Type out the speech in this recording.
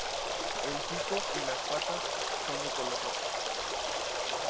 El pico y las patas son de color rojo.